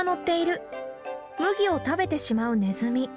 麦を食べてしまうネズミ。